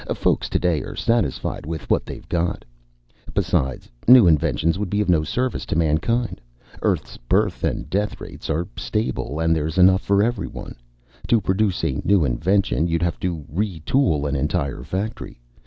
Folks today are satisfied with what they've got. Besides, new inventions would be of no service to mankind. Earth's birth and death rate are stable, and there's enough for everyone. To produce a new invention, you'd have to retool an entire factory.